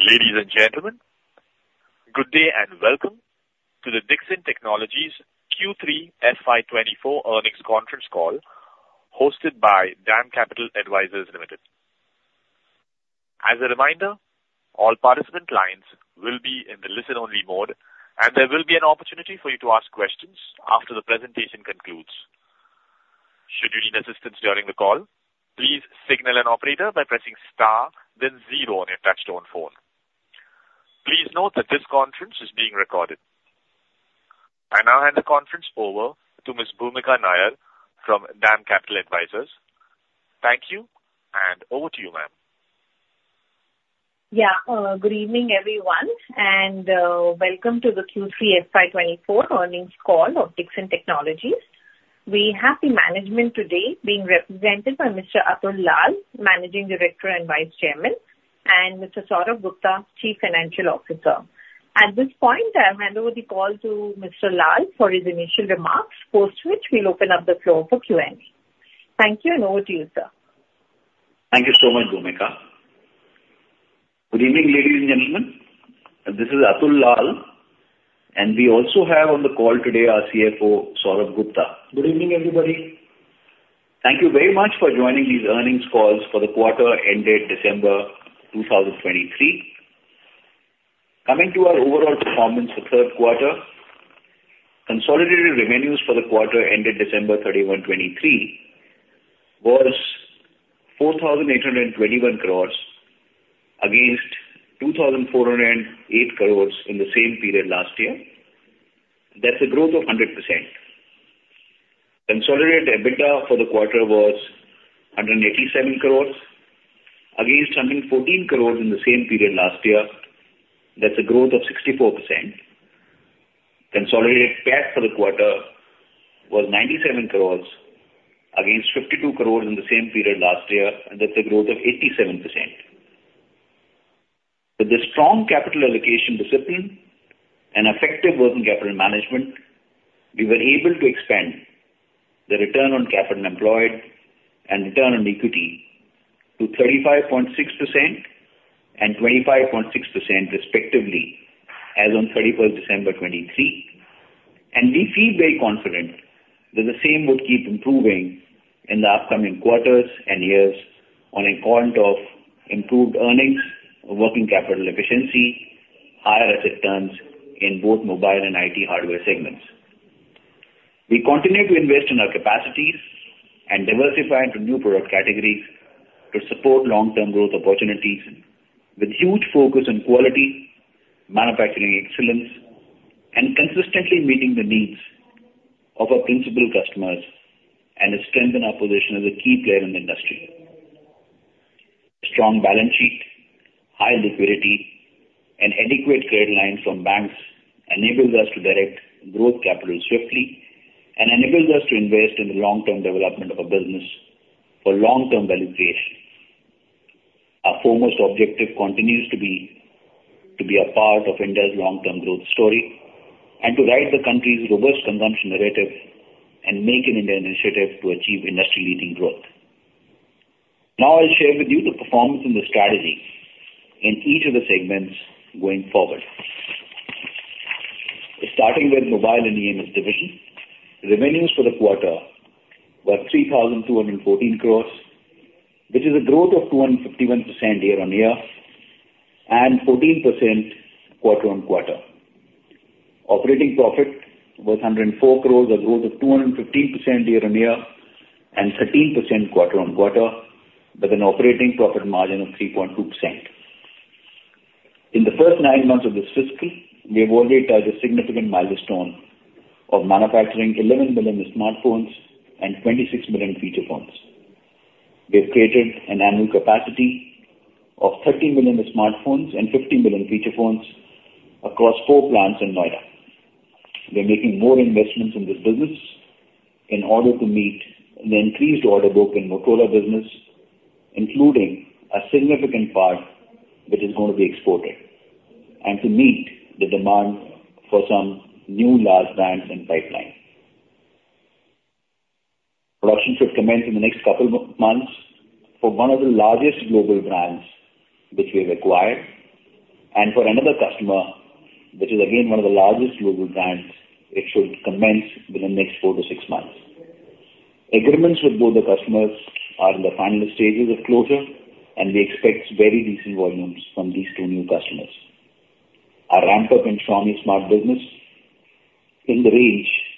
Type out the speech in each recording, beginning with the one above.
Ladies and gentlemen, good day, and welcome to the Dixon Technologies Q3 FY 2024 earnings conference call, hosted by DAM Capital Advisors Limited. As a reminder, all participant lines will be in the listen-only mode, and there will be an opportunity for you to ask questions after the presentation concludes. Should you need assistance during the call, please signal an operator by pressing star then zero on your touch-tone phone. Please note that this conference is being recorded. I now hand the conference over to Ms. Bhoomika Nair from DAM Capital Advisors. Thank you, and over to you, ma'am. Yeah. Good evening, everyone, and welcome to the Q3 FY 2024 earnings call of Dixon Technologies. We have the management today being represented by Mr. Atul Lall, Managing Director and Vice Chairman, and Mr. Saurabh Gupta, Chief Financial Officer. At this point, I'll hand over the call to Mr. Lall for his initial remarks, post which we'll open up the floor for Q&A. Thank you, and over to you, sir. Thank you so much, Bhoomika. Good evening, ladies and gentlemen, this is Atul Lall, and we also have on the call today our CFO, Saurabh Gupta. Good evening, everybody. Thank you very much for joining these earnings calls for the quarter ended December 2023. Coming to our overall performance for third quarter, consolidated revenues for the quarter ended December 31, 2023, was 4,821 crores against 2,408 crores in the same period last year. That's a growth of 100%. Consolidated EBITDA for the quarter was 187 crores, against 114 crores in the same period last year. That's a growth of 64%. Consolidated PAT for the quarter was 97 crores, against 52 crores in the same period last year, and that's a growth of 87%. With a strong capital allocation discipline and effective working capital management, we were able to expand the return on capital employed and return on equity to 35.6% and 25.6%, respectively, as on 31st December 2023. We feel very confident that the same would keep improving in the upcoming quarters and years on account of improved earnings, working capital efficiency, higher asset turns in both Mobile and IT Hardware segments. We continue to invest in our capacities and diversify into new product categories to support long-term growth opportunities with huge focus on quality, manufacturing excellence, and consistently meeting the needs of our principal customers and to strengthen our position as a key player in the industry. Strong balance sheet, high liquidity, and adequate credit lines from banks enables us to direct growth capital swiftly and enables us to invest in the long-term development of our business for long-term value creation. Our foremost objective continues to be a part of India's long-term growth story and to ride the country's robust consumption narrative and Make in India initiative to achieve industry-leading growth. Now, I'll share with you the performance and the strategy in each of the segments going forward. Starting with Mobile and EMS division. Revenues for the quarter were 3,214 crore, which is a growth of 251% year-on-year, and 14% quarter-on-quarter. Operating profit was 104 crore, a growth of 215% year-on-year, and 13% quarter-on-quarter, with an operating profit margin of 3.2%. In the first nine months of this fiscal, we have already touched a significant milestone of manufacturing 11 million smartphones and 26 million feature phones. We have created an annual capacity of 13 million smartphones and 15 million feature phones across four plants in Noida. We are making more investments in this business in order to meet the increased order book in Motorola business, including a significant part which is going to be exported, and to meet the demand for some new large brands in pipeline. Production should commence in the next couple months for one of the largest global brands which we've acquired, and for another customer, which is again, one of the largest global brands, it should commence within the next four to six months. Agreements with both the customers are in the final stages of closure, and we expect very decent volumes from these two new customers. Our ramp-up in Xiaomi smart business in the range of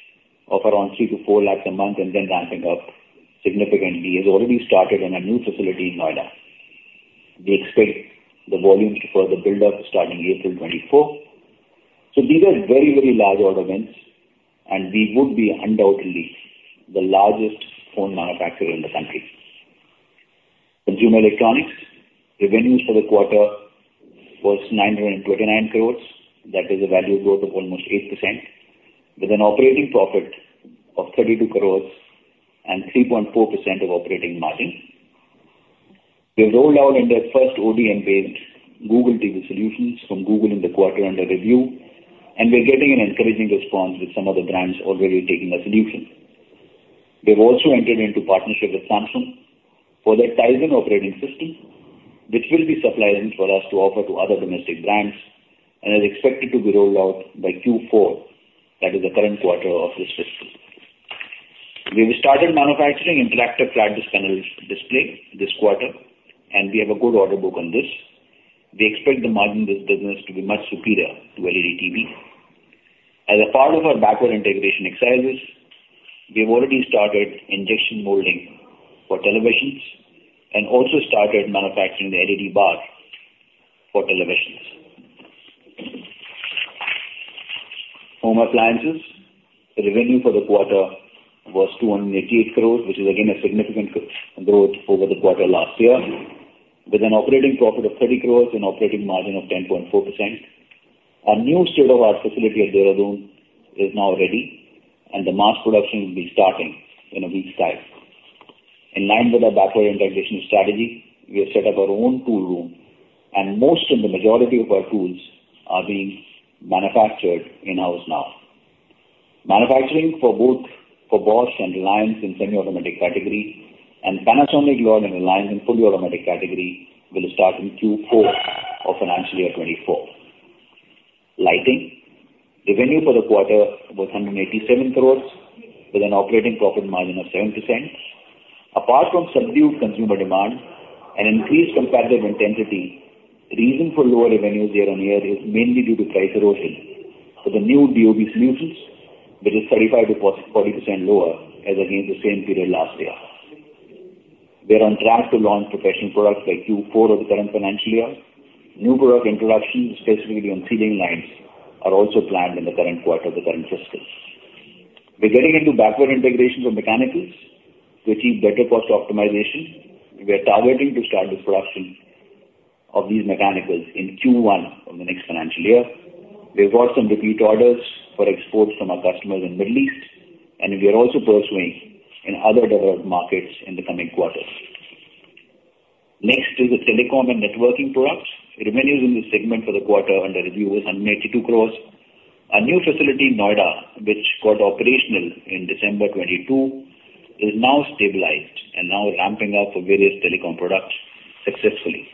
around 3 lakhs-4 lakhs a month, and then ramping up significantly, has already started in our new facility in Noida. We expect the volumes to further build up starting April 2024. So these are very, very large order wins, and we would be undoubtedly the largest phone manufacturer in the country. Consumer Electronics. Revenues for the quarter was 929 crores. That is a value growth of almost 8%, with an operating profit of 32 crores and 3.4% of operating margin. We have rolled out India's first ODM-based Google TV solutions from Google in the quarter under review, and we are getting an encouraging response with some of the brands already taking our solution. We've also entered into partnership with Samsung for their Tizen operating system, which will be supplied for us to offer to other domestic brands and is expected to be rolled out by Q4. That is the current quarter of this fiscal. We've started manufacturing Interactive Flat Panel Display this quarter, and we have a good order book on this. We expect the margin of this business to be much superior to LED TV. As a part of our backward integration exercises, we've already started injection molding for televisions and also started manufacturing the LED bar for televisions. Home Appliances. The revenue for the quarter was 288 crores, which is again a significant growth over the quarter last year, with an operating profit of 30 crores and operating margin of 10.4%. Our new state-of-the-art facility at Dehradun is now ready, and the mass production will be starting in a week's time. In line with our backward integration strategy, we have set up our own tool room, and most of the majority of our tools are being manufactured in-house now. Manufacturing for both Bosch and Reliance in semi-automatic category and Panasonic, Lloyd, and Reliance in fully automatic category will start in Q4 of financial year 2024. Lighting. Revenue for the quarter was 187 crores, with an operating profit margin of 7%. Apart from subdued consumer demand and increased competitive intensity, reason for lower revenues year-on-year is mainly due to price erosion for the new DOB solutions, which is 35%-40% lower as against the same period last year. We are on track to launch professional products by Q4 of the current financial year. New product introductions, specifically on ceiling lights, are also planned in the current quarter of the current fiscal. We're getting into backward integrations of mechanicals to achieve better cost optimization. We are targeting to start the production of these mechanicals in Q1 of the next financial year. We've got some repeat orders for exports from our customers in Middle East, and we are also pursuing in other developed markets in the coming quarters. Next is the Telecom and Networking products. Revenues in this segment for the quarter under review was 182 crores. Our new facility in Noida, which got operational in December 2022, is now stabilized and now ramping up for various telecom products successfully.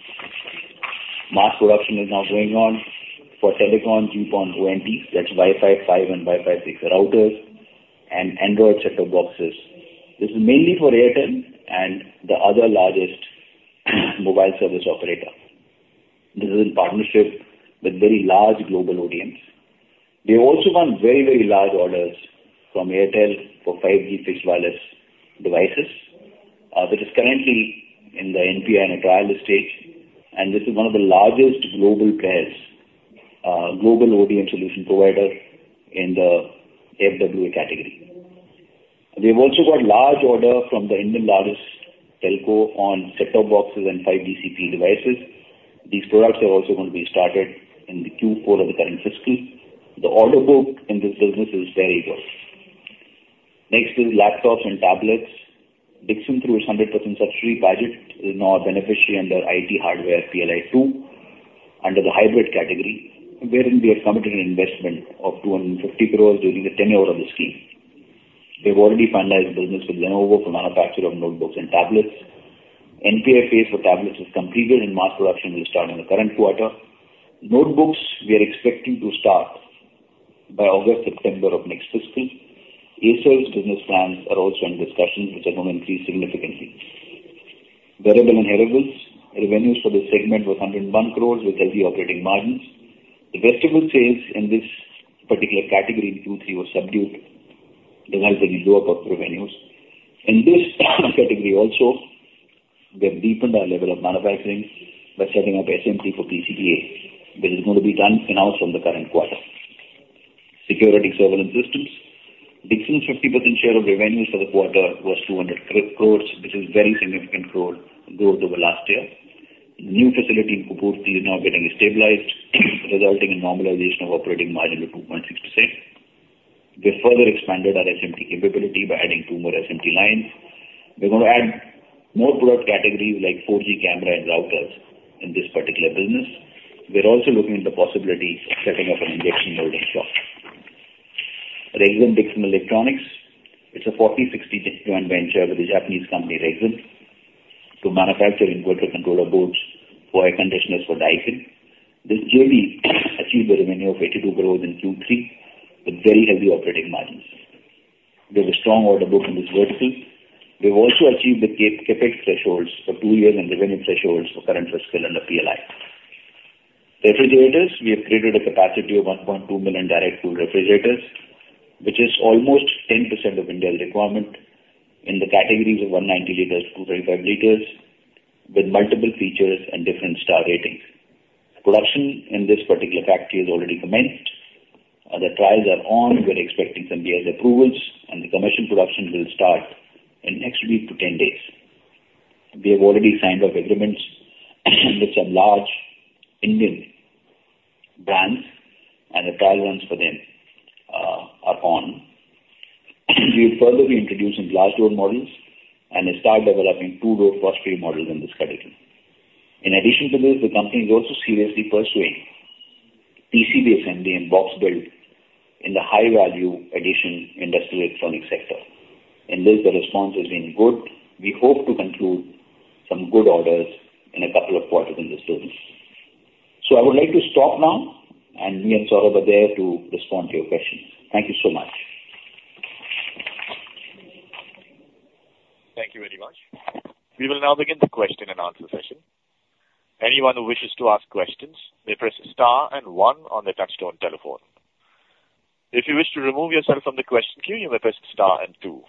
Mass production is now going on for telecom GPON ONT, that's WiFi 5 and WiFi 6 routers and Android set-top boxes. This is mainly for Airtel and the other largest mobile service operator. This is in partnership with very large global ODM. We have also won very, very large orders from Airtel for 5G fixed wireless devices. That is currently in the NPI and trial stage, and this is one of the largest global players, global ODM solution provider in the FWA category. We've also got large order from the Indian largest telco on set-top boxes and 5G CPE devices. These products are also going to be started in the Q4 of the current fiscal. The order book in this business is very good. Next is Laptops and Tablets. Dixon, through its 100% subsidiary, Padget, is now a beneficiary under IT Hardware PLI 2.0, under the hybrid category, wherein we have committed an investment of 250 crore during the tenure of the scheme. We've already finalized business with Lenovo for manufacture of notebooks and tablets. NPI phase for tablets is completed, and mass production will start in the current quarter. Notebooks, we are expecting to start by August, September of next fiscal. Asus business plans are also in discussion, which are going to increase significantly. Wearables and Hearables. Revenues for this segment were 101 crore, with healthy operating margins. The festival sales in this particular category in Q3 were subdued, resulting in lower profits revenues. In this category also, we have deepened our level of manufacturing by setting up SMT for PCBA, which is going to be done in-house from the current quarter. Security surveillance systems. Dixon's 50% share of revenues for the quarter was 200 crore, which is very significant growth, growth over last year. New facility in Kopparthi is now getting stabilized, resulting in normalization of operating margin to 2.6%. We have further expanded our SMT capability by adding two more SMT lines. We're going to add more product categories like 4G camera and routers in this particular business. We are also looking at the possibility of setting up an injection molding shop. Rexxam Dixon Electronics. It's a 40-60 joint venture with a Japanese company, Rexxam, to manufacture inverter controller boards for air conditioners for Daikin. This JV achieved a revenue of 82 crores in Q3 with very heavy operating margins. We have a strong order book in this vertical. We've also achieved the CapEx thresholds for two years and revenue thresholds for current fiscal under PLI. Refrigerators, we have created a capacity of 1.2 million direct cool refrigerators, which is almost 10% of India's requirement in the categories of 190 liters, 235 liters, with multiple features and different star ratings. Production in this particular factory has already commenced, the trials are on. We're expecting some BIS approvals, and the commercial production will start in next week to 10 days. We have already signed up agreements with some large Indian brands, and the trial runs for them are on. We will further be introducing large door models and start developing two-door frost-free models in this category. In addition to this, the company is also seriously pursuing PCB assembly and box build in the high-value addition industrial electronic sector. In this, the response has been good. We hope to conclude some good orders in a couple of quarters in this business. So I would like to stop now, and me and Saurabh are there to respond to your questions. Thank you so much. Thank you very much. We will now begin the question-and -answer session. Anyone who wishes to ask questions may press star and one on their touch-tone telephone. If you wish to remove yourself from the question queue, you may press star and two.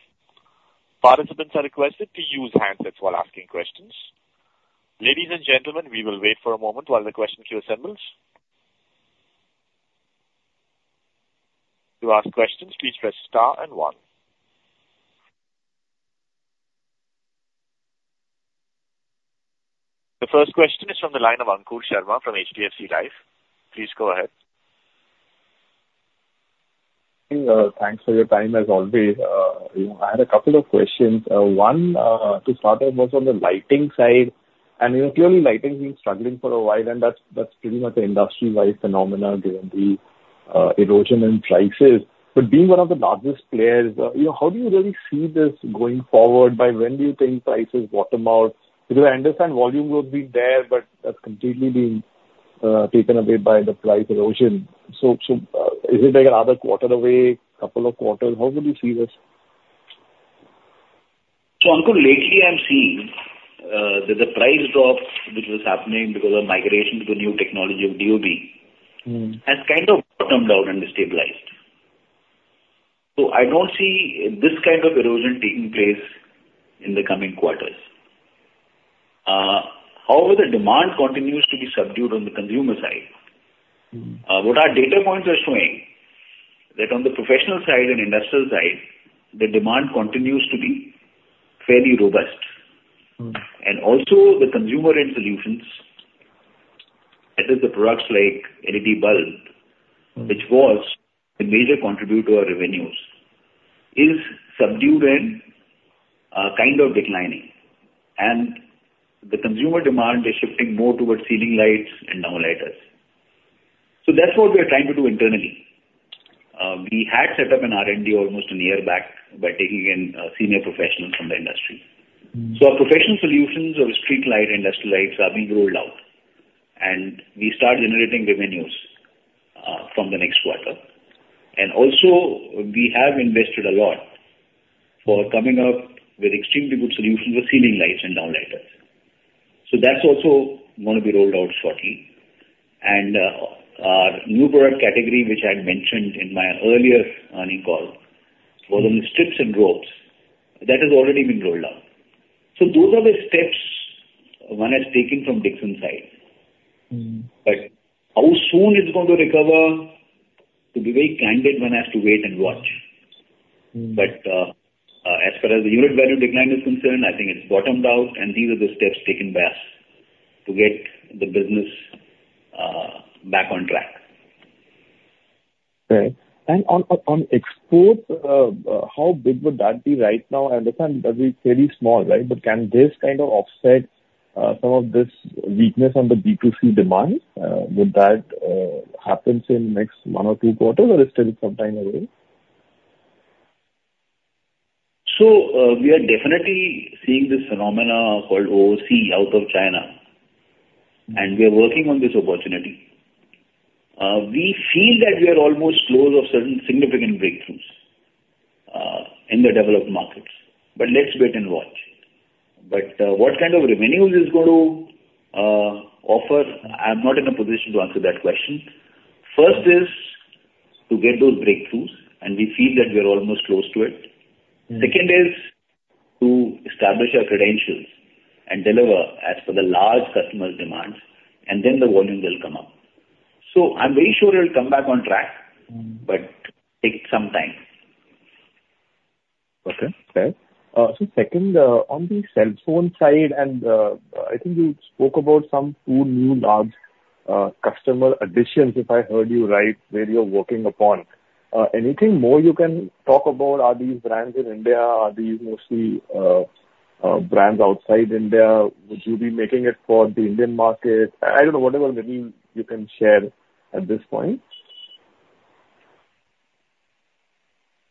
Participants are requested to use handsets while asking questions. Ladies and gentlemen, we will wait for a moment while the question queue assembles. To ask questions, please press star and one. The first question is from the line of Ankur Sharma from HDFC Life. Please go ahead. Thanks for your time as always. You know, I had a couple of questions. One, to start off, was on the lighting side, and, you know, clearly lighting has been struggling for a while, and that's, that's pretty much an industry-wide phenomenon given the erosion in prices. But being one of the largest players, you know, how do you really see this going forward? By when do you think prices bottom out? Because I understand volume will be there, but that's completely been taken away by the price erosion. So, so, is it like another quarter away, couple of quarters? How would you see this? Ankur, lately I'm seeing that the price drop, which was happening because of migration to the new technology of DOB has kind of bottomed out and stabilized. So I don't see this kind of erosion taking place in the coming quarters. However, the demand continues to be subdued on the consumer side. What our data points are showing, that on the professional side and industrial side, the demand continues to be fairly robust. Also, the consumer end solutions, that is the products like LED bulb, which was a major contributor to our revenues, is subdued and kind of declining. The consumer demand is shifting more towards ceiling lights and downlighters. That's what we are trying to do internally. We had set up an R&D almost a year back by taking in senior professionals from the industry. So our professional solutions or street light industrial lights are being rolled out, and we start generating the revenues from the next quarter. And also, we have invested a lot for coming up with extremely good solutions for ceiling lights and downlighters. So that's also going to be rolled out shortly. And our new product category, which I had mentioned in my earlier earnings call, was on the strips and ropes. That has already been rolled out. So those are the steps one has taken from Dixon side. How soon it's going to recover? To be very candid, one has to wait and watch. But, as far as the unit value decline is concerned, I think it's bottomed out, and these are the steps taken by us to get the business back on track. Right. And on export, how big would that be right now? I understand that is fairly small, right? But can this kind of offset some of this weakness on the B2C demand? Would that happens in next one or two quarters, or is still some time away? So, we are definitely seeing this phenomenon called OOC, Out of China, and we are working on this opportunity. We feel that we are almost close to certain significant breakthroughs in the developed markets, but let's wait and watch. But, what kind of revenues it's going to offer, I'm not in a position to answer that question. First is, to get those breakthroughs, and we feel that we are almost close to it. Second is to establish our credentials and deliver as per the large customers' demands, and then the volume will come up. I'm very sure it'll come back on track. but take some time. Okay. Fair. So second, on the cell phone side, and I think you spoke about some two new large customer additions, if I heard you right, where you're working upon. Anything more you can talk about? Are these brands in India? Are these mostly brands outside India? Would you be making it for the Indian market? I don't know, whatever maybe you can share at this point.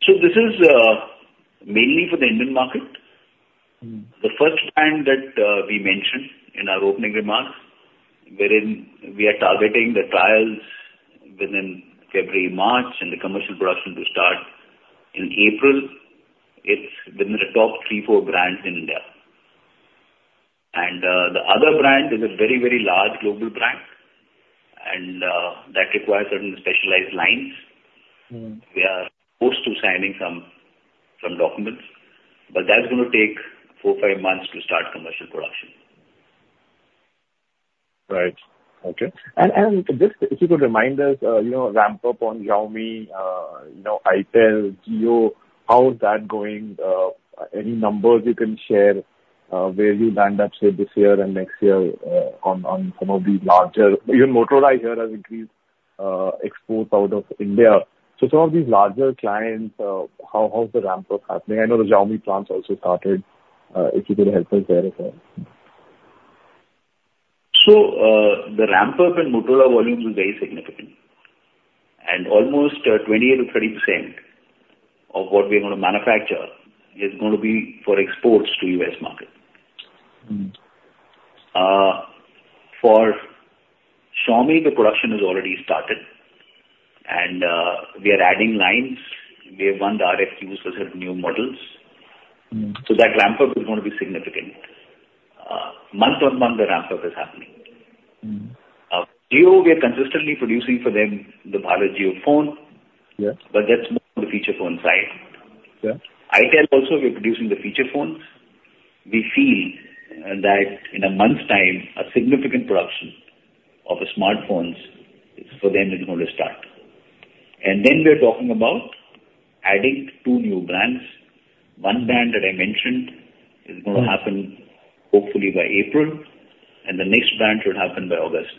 So this is mainly for the Indian market. The first brand that we mentioned in our opening remarks, wherein we are targeting the trials within February, March, and the commercial production to start in April. It's within the top three to four brands in India. The other brand is a very, very large global brand, and that requires certain specialized lines. We are close to signing some documents, but that's going to take four to five months to start commercial production. Right. Okay. And just if you could remind us, you know, ramp up on Xiaomi, you know, Itel, Jio, how is that going? Any numbers you can share, where you land up, say, this year and next year on some of the larger. Even Motorola I hear has increased, exports out of India. So some of these larger clients, how, how is the ramp up happening? I know the Xiaomi plants also started. If you could help us there as well. So, the ramp up in Motorola volumes is very significant, and almost, 20%-30% of what we're gonna manufacture is going to be for exports to U.S. market. For Xiaomi, the production has already started, and we are adding lines. We have won the RFQs for certain new models. So that ramp up is going to be significant. Month-on-month, the ramp up is happening. Jio, we are consistently producing for them, the Bharat Jio phone. But that's more on the feature phone side. Yeah. Itel, also, we're producing the feature phones. We feel that in a month's time, a significant production of the smartphones for them is going to start. And then we are talking about adding two new brands. One brand that I mentioned is gonna happen hopefully by April, and the next brand should happen by August.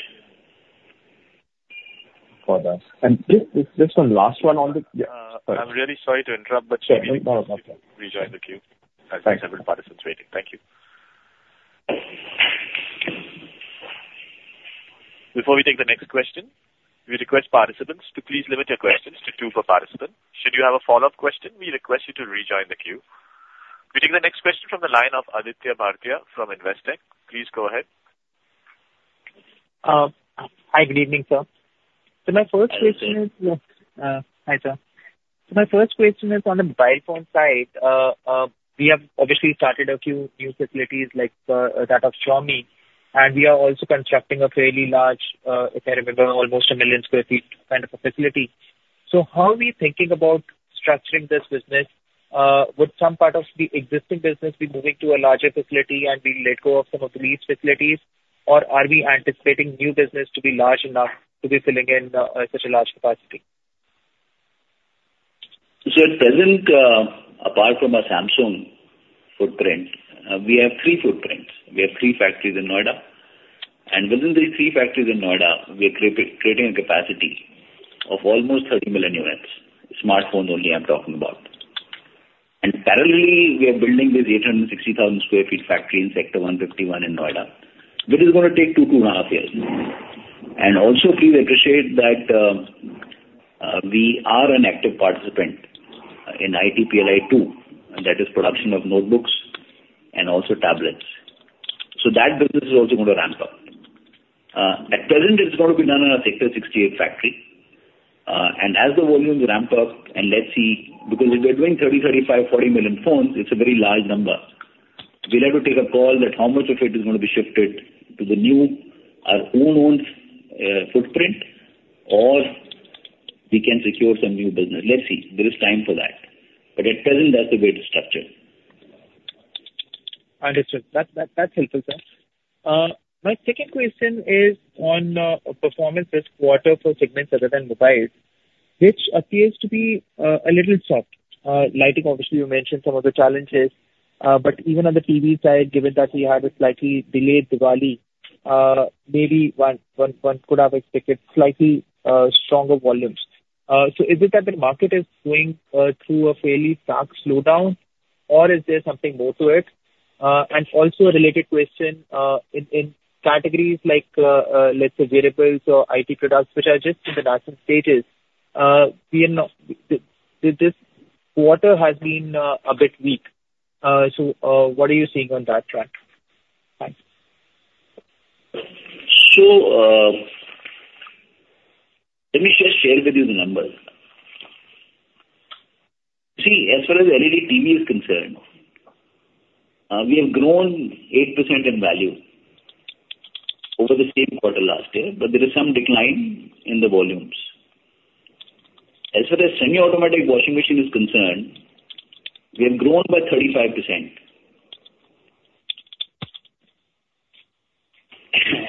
Got that. Just, just one last one on the, yeah. I'm really sorry to interrupt, but- Sure, no, no problem. Rejoin the queue. Thanks. Several participants waiting. Thank you. Before we take the next question, we request participants to please limit your questions to two per participant. Should you have a follow-up question, we request you to rejoin the queue. We take the next question from the line of Aditya Bhartia from Investec. Please go ahead. Hi, good evening, sir. So my first question is... Hi. Yeah, hi, sir. My first question is on the mobile phone side. We have obviously started a few new facilities like that of Xiaomi, and we are also constructing a fairly large, if I remember, almost 1 million sq ft kind of a facility. So how are we thinking about structuring this business? Would some part of the existing business be moving to a larger facility and we let go of some of the leased facilities? Or are we anticipating new business to be large enough to be filling in such a large capacity? So at present, apart from our Samsung footprint, we have three footprints. We have three factories in Noida. And within these three factories in Noida, we are creating a capacity of almost 30 million units. Smartphones only, I'm talking about. And parallelly, we are building this 860,000 sq ft factory in Sector 151 in Noida, which is gonna take 2-2.5 years. And also, please appreciate that we are an active participant in IT PLI 2.0, and that is production of notebooks and also tablets. So that business is also going to ramp up. At present, it's going to be done in our Sector 68 factory. And as the volumes ramp up and let's see, because if we're doing 30 million, 35 million, 40 million phones, it's a very large number. We'll have to take a call that how much of it is gonna be shifted to the new, our own-owned, footprint, or we can secure some new business. Let's see. There is time for that. But at present, that's the way it is structured. Understood. That's, that's helpful, sir. My second question is on performance this quarter for segments other than mobile, which appears to be a little soft. Lighting, obviously, you mentioned some of the challenges, but even on the TV side, given that we had a slightly delayed Diwali, maybe one could have expected slightly stronger volumes. So is it that the market is going through a fairly stark slowdown, or is there something more to it? And also a related question, in categories like let's say wearables or IT products, which are just in the nascent stages, we are not, this quarter has been a bit weak. So what are you seeing on that track? Thanks. Let me just share with you the numbers. See, as far as LED TV is concerned, we have grown 8% in value over the same quarter last year, but there is some decline in the volumes. As far as semi-automatic washing machine is concerned, we have grown by 35%.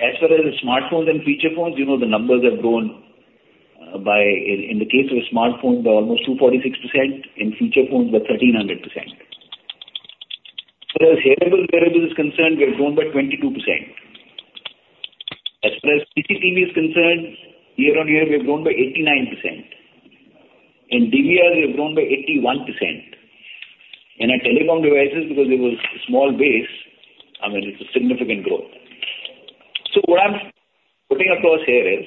As far as the smartphones and feature phones, you know, the numbers have grown, in the case of smartphones, by almost 246%, in feature phones by 1,300%. As far as Wearable is concerned, we have grown by 22%. As far as CCTV is concerned, year on year, we have grown by 89%. In DVR, we have grown by 81%. In our telecom devices, because it was a small base, I mean, it's a significant growth. What I'm putting across here is,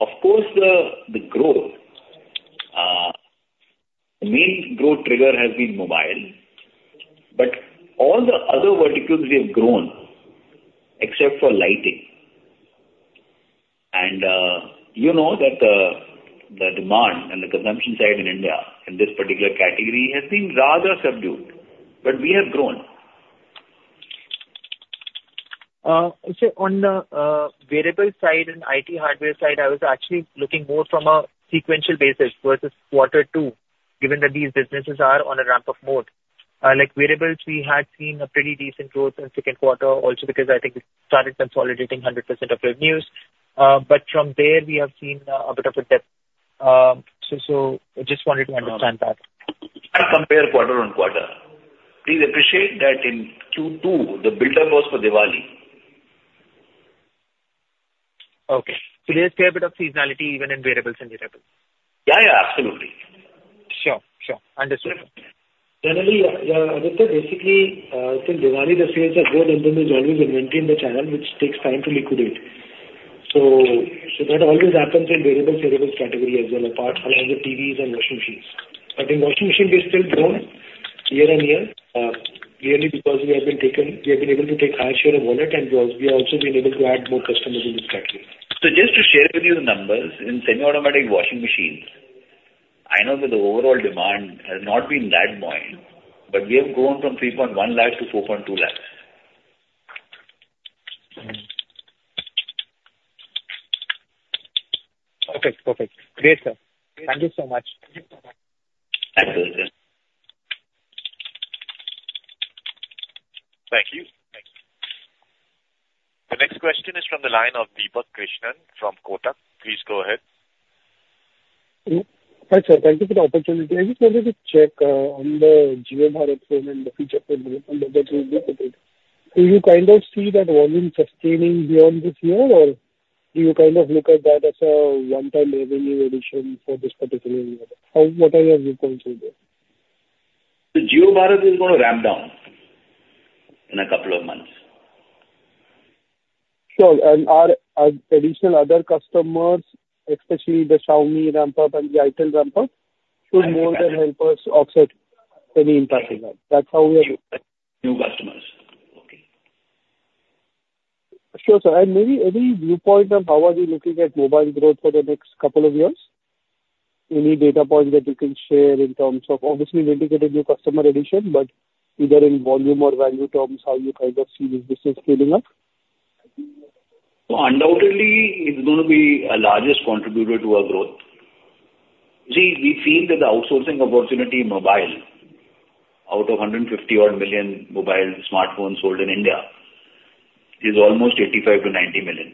of course, the growth, the main growth trigger has been mobile, but all the other verticals we have grown, except for lighting, and, you know that the demand and the consumption side in India, in this particular category, has been rather subdued, but we have grown. Sir, on the Wearable side and IT hardware side, I was actually looking more from a sequential basis versus quarter two, given that these businesses are on a ramp-up mode. Like wearables, we had seen a pretty decent growth in second quarter also because I think we started consolidating 100% of revenues. But from there, we have seen a bit of a dip. So, I just wanted to understand that. I compare quarter-over-quarter. Please appreciate that in Q2, the buildup was for Diwali. Okay. So there's still a bit of seasonality even in wearables and hearables? Yeah, yeah, absolutely. Sure, sure. Understood. Generally, yeah, Aditya, basically, I think Diwali the sales are more than the January and maintain the channel, which takes time to liquidate. So, so that always happens in Wearable category as well, apart from the TVs and washing machines. But in washing machine, we are still grown year-on-year, clearly because we have been taken-- we have been able to take high share of wallet, and we have also been able to add more customers in this category. Just to share with you the numbers in semi-automatic washing machines, I know that the overall demand has not been that buoyant, but we have grown from 3.1 lakhs to 4.2 lakhs. Okay, perfect. Great, sir. Thank you so much. Thank you. Thank you. The next question is from the line of Deepak Krishnan from Kotak. Please go ahead. Hi, sir. Thank you for the opportunity. I just wanted to check on the Jio Bharat phone and the feature phone, under that do you kind of see that volume sustaining beyond this year? Or do you kind of look at that as a one-time revenue addition for this particular year? What are your viewpoints on this? The Jio Bharat is going to ramp down in a couple of months. Sure, and are additional other customers, especially the Xiaomi ramp-up and the Itel ramp-up, should more than help us offset any impact in that? That's how we are- New customers. Okay. Sure, sir. Maybe any viewpoint on how are you looking at mobile growth for the next couple of years? Any data points that you can share in terms of obviously integrating new customer addition, but either in volume or value terms, how you kind of see this business scaling up? So undoubtedly, it's going to be a largest contributor to our growth. See, we feel that the outsourcing opportunity in mobile, out of 150-odd million mobile smartphones sold in India, is almost 85 million-90 million.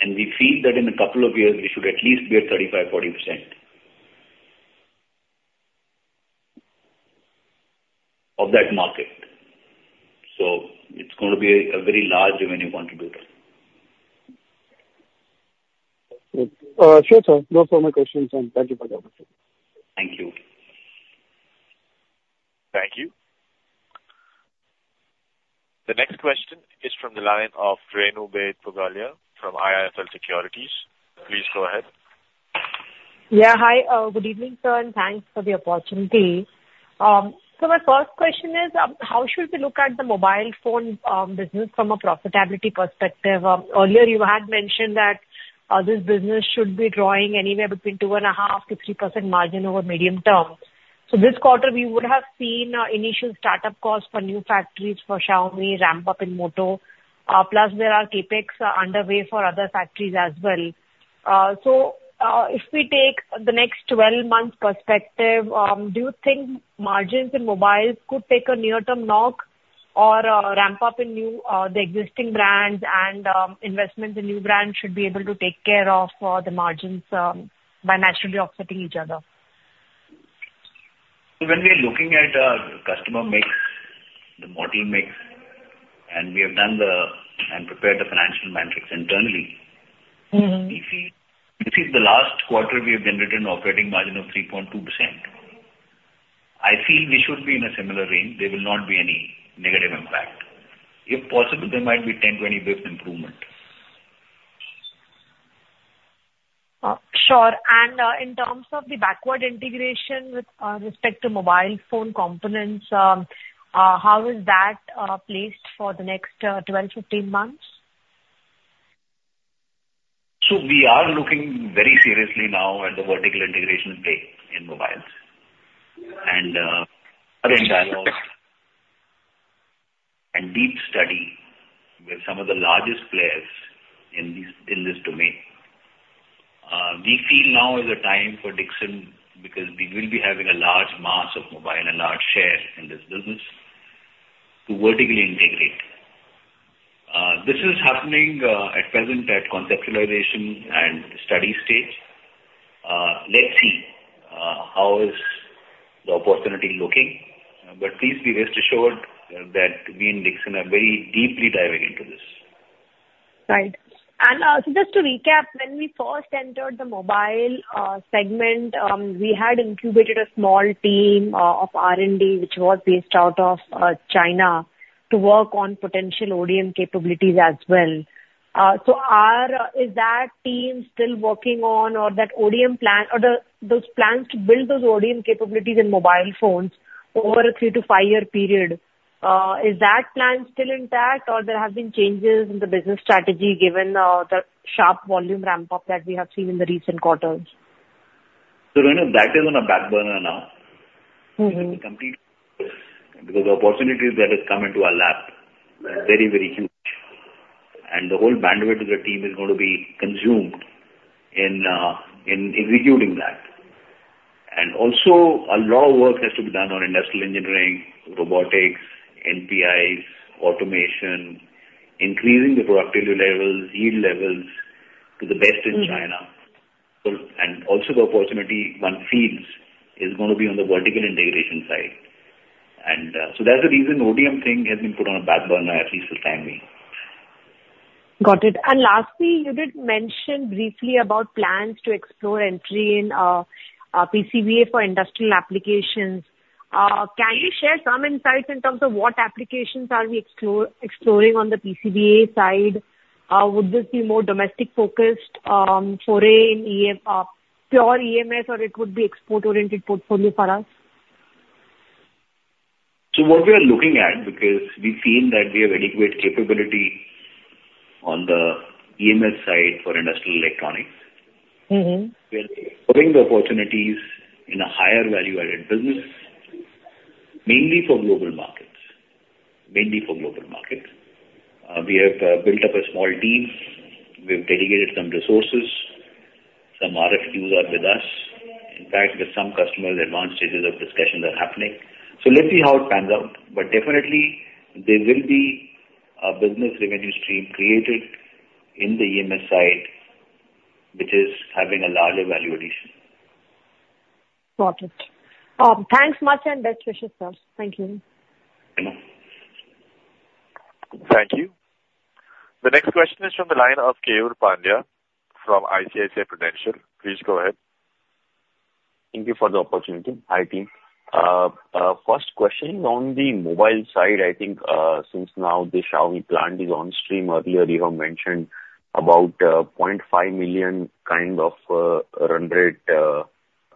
And we feel that in a couple of years, we should at least be at 35%-40% of that market. So it's going to be a very large revenue contributor. Sure, sir. Those are my questions, and thank you for the opportunity. Thank you. Thank you. The next question is from the line of Renu Bai Pugalia from IIFL Securities. Please go ahead. Yeah, hi. Good evening, sir, and thanks for the opportunity. So my first question is, how should we look at the mobile phone business from a profitability perspective? Earlier, you had mentioned that this business should be growing anywhere between 2.5%-3% margin over medium term. So this quarter, we would have seen initial start-up costs for new factories for Xiaomi ramp up in Moto, plus there are CapEx underway for other factories as well. So, if we take the next 12 months perspective, do you think margins in mobile could take a near-term knock or ramp up in new the existing brands and investments in new brands should be able to take care of the margins by naturally offsetting each other? So when we are looking at customer mix, the model mix, and we have done and prepared the financial matrix internally. We feel, you see, the last quarter we have generated an operating margin of 3.2%. I feel we should be in a similar range. There will not be any negative impact. If possible, there might be 10-20 basis points improvement. Sure. And in terms of the backward integration with respect to mobile phone components, how is that placed for the next 12, 15 months? So we are looking very seriously now at the vertical integration play in mobiles. And other dialogues and deep study with some of the largest players in this, in this domain. We feel now is the time for Dixon, because we will be having a large mass of mobile and a large share in this business, to vertically integrate. This is happening at present, at conceptualization and study stage. Let's see how is the opportunity looking, but please be rest assured that we in Dixon are very deeply diving into this. Right. So just to recap, when we first entered the Mobile segment, we had incubated a small team of R&D, which was based out of China, to work on potential ODM capabilities as well. So is that team still working on or that ODM plan or those plans to build those ODM capabilities in mobile phones over a three to five-year period, is that plan still intact or there have been changes in the business strategy given the sharp volume ramp-up that we have seen in the recent quarters? Renu, that is on a back burner now. Because the opportunities that has come into our lap are very, very huge, and the whole bandwidth of the team is going to be consumed in executing that. And also, a lot of work has to be done on industrial engineering, robotics, NPIs, automation, increasing the productivity levels, yield levels, to the best in China. Also, the opportunity one feels is going to be on the vertical integration side... So that's the reason ODM thing has been put on a back burner, at least for time being. Got it. And lastly, you did mention briefly about plans to explore entry in PCBA for industrial applications. Can you share some insights in terms of what applications are we exploring on the PCBA side? Would this be more domestic focused foray in EM, pure EMS, or it would be export-oriented portfolio for us? What we are looking at, because we feel that we have adequate capability on the EMS side for industrial electronics. We're exploring the opportunities in a higher value-added business, mainly for global markets. Mainly for global markets. We have built up a small team. We've dedicated some resources. Some RFQs are with us. In fact, with some customers, advanced stages of discussions are happening. So let's see how it pans out. But definitely there will be a business revenue stream created in the EMS side, which is having a larger value addition. Got it. Thanks much and best wishes, sir. Thank you. Thank you. Thank you. The next question is from the line of Keyur Pandya from ICICI Prudential. Please go ahead. Thank you for the opportunity. Hi, team. First question, on the mobile side, I think, since now the Xiaomi plant is on stream, earlier you have mentioned about 0.5 million kind of run rate